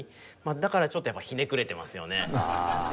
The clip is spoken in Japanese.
だからちょっとやっぱひねくれてますよね。